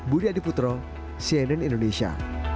budi adiputro cnn indonesia